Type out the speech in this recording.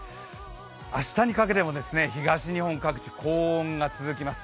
明日にかけても東日本各地、高温が続きます。